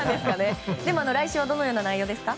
来週はどのような内容ですか？